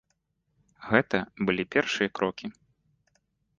Гэта былі першыя крокі.